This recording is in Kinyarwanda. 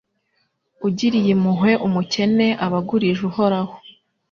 Ugiriye impuhwe umukene aba agurije Uhoraho